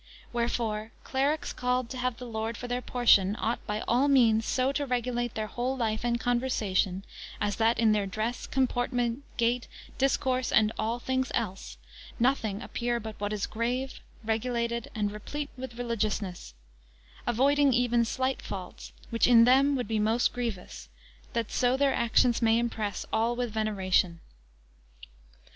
Wherefore clerics called to have the Lord for their portion, ought by all means so to regulate their whole life and conversation, as that in their dress, comportment, gait, discourse, and all things else, nothing appear but what is grave, regulated, and replete with religiousness; avoiding even slight faults, which in them would be most grievous; that so their actions may impress all with veneration.